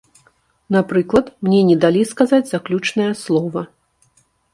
Напрыклад, мне не далі сказаць заключнае слова.